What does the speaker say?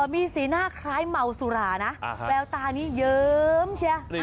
มีสีหน้าคล้ายเมาสุรานะแววตานี้เยิ้มเชียร์